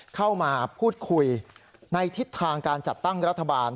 เข้ามาพูดคุยในทิศทางการจัดตั้งรัฐบาล